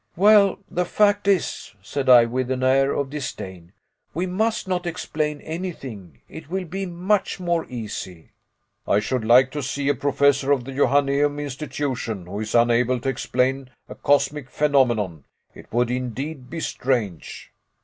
"Well, the fact is," said I, with an air of disdain, "we must not explain anything. It will be much more easy." "I should like to see a professor of the Johanneum Institution who is unable to explain a cosmic phenomenon it would indeed be strange."